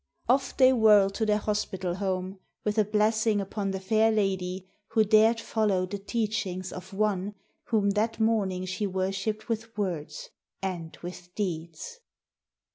Off they whirl to their hospital home, with a blessing upon the fair lady who dared follow the teachings of ONE whom that morning she worshiped with words ... and with deeds.